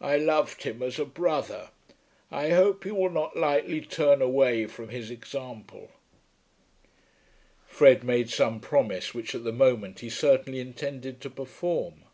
I loved him as a brother. I hope you will not lightly turn away from his example." Fred made some promise which at the moment he certainly intended to perform.